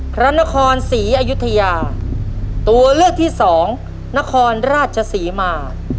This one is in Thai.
พระนครศรีอยุธยาตัวเลือกที่สองนครราชศรีมา